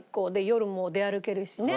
夜も出歩けるしね。